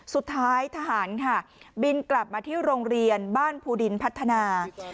สุดท้ายทหารค่ะบินกลับมาที่โรงเรียนบ้านภูดินพัฒนา